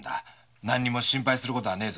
何にも心配することはねえぞ。